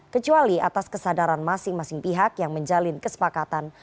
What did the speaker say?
kecuali atas kesadaran masing masing pihak yang menjalin kesepakatan